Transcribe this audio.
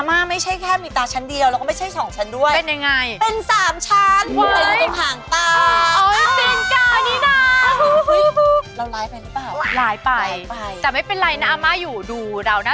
เพราะวันนี้นะจะเปลี่ยนสาวหมวยให้ตาสวยหวาน